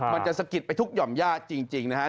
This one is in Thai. มันจะสะกิดไปทุกหย่อมญาติจริงนะฮะ